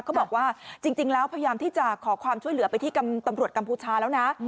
เขาบอกว่าจริงแล้วพยายามที่จะขอความช่วยเหลือไปที่ตำรวจกัมพูชาแล้วนะ